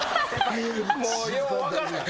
もうよう分からん。